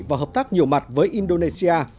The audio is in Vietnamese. và hợp tác nhiều mặt với indonesia